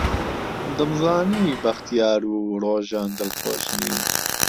دەمزانی بەختیار و ڕۆژان دڵخۆش نین.